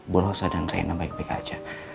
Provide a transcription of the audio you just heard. bu rosa dan reina baik baik aja